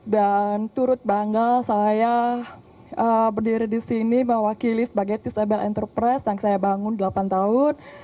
dan turut bangga saya berdiri di sini mewakili sebagai disable enterprise yang saya bangun delapan tahun